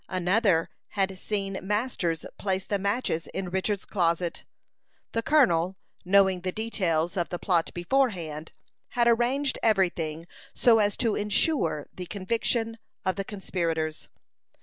Another had seen Masters place the matches in Richard's closet. The colonel, knowing the details of the plot beforehand, had arranged every thing so as to insure the conviction of the conspirators.